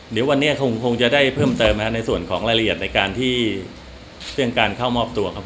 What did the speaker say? เดี๋ยววันนี้คงจะได้เพิ่มเติมในส่วนของรายละเอียดในการที่เรื่องการเข้ามอบตัวครับ